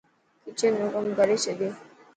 ڪچن رو ڪم ڪري ڇڏيو.